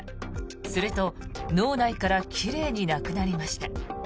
すると、脳内から奇麗になくなりました。